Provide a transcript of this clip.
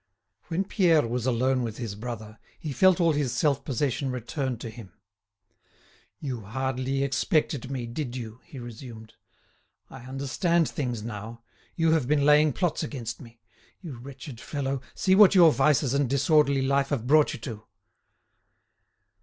When Pierre was alone with his brother, he felt all his self possession return to him. "You hardly expected me, did you?" he resumed. "I understand things now; you have been laying plots against me. You wretched fellow; see what your vices and disorderly life have brought you to!"